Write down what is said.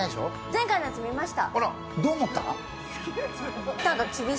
前回のやつ見ました。